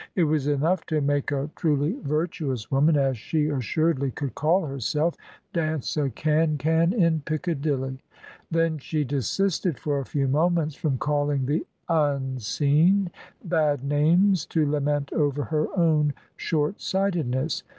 It was enough to make a truly virtuous woman, as she assuredly could call herself, dance a can can in Piccadilly. Then she desisted for a few moments from calling the Unseen bad names to lament over her own short sightedness.